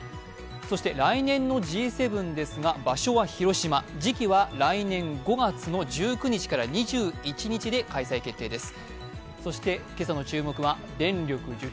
そして来年のＧ７ですが、場所は広島時期は来年５月１９日から２１日で開催決定です。